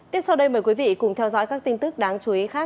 tiếp sau đây mời quý vị cùng theo dõi các tin tức đáng chú ý khác